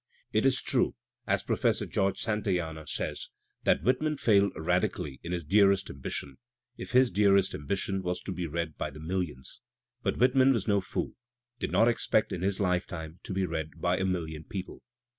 It is true, as Professor George Santayana says, that "Whitman failed radically in his dearest ambition," if his dearest ambition was to be read by the millions; but Whitman, who was no fool, did not expect in his lifetime to be read by a million people.